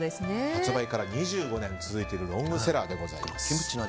発売から２５年続いているロングセラーでございます。